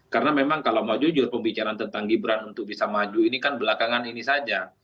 karena memang kalau mau jujur pembicaraan tentang gibran untuk bisa maju ini kan belakangan ini saja